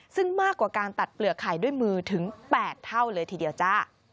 ซึ่งมากกว่าการตัดเปลือกไข่ด้วยมือถึง๘เท่าเลยทีเดียวจ้า